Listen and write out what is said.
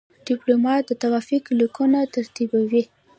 ډيپلومات د توافق لیکونه ترتیبوي.